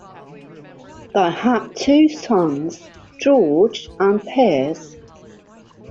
They had two sons, George and Piers.